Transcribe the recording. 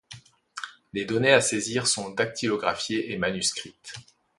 Les données à saisir sont dactylographiées et manuscrites.